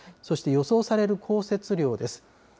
そして予想される降雪量です。